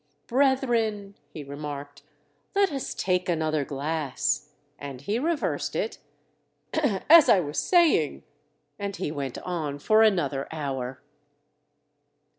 "Brethren," he remarked; "Let us take another glass," and he reversed it—"Ahem, as I was saying—" And he went on for another hour.